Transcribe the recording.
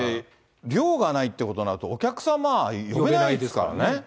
量がないってことになると、お客様呼べないですからね。